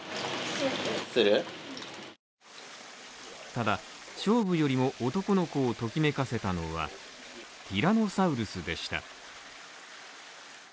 ただ、菖蒲よりも男の子をときめかせたのは、ティラノサウルスでした。